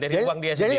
dari uang dia sendiri